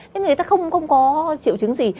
thế người ta không có triệu chứng gì